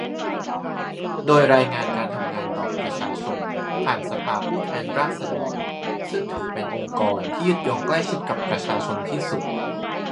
โดยรายงานการทำงานต่อประชาชนผ่านสภาผู้แทนราษฎร ซึ่งถือเป็นองค์กรที่ยึดโยงใกล้ชิดกับประชาชนที่สุด